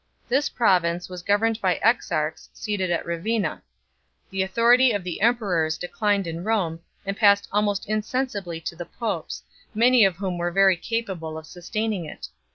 This pro vince was governed by exarchs seated at Ravenna ; the authority of the emperors declined in Rome, and passed almost insensibly to the popes, many of whom were very capable of sustaining it.